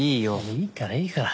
いいからいいから。